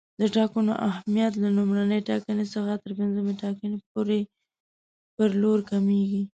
د ټاکنو اهمیت له لومړۍ ټاکنې څخه تر پنځمې ټاکنې پر لور کمیږي.